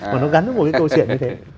mà nó gắn với một cái câu chuyện như thế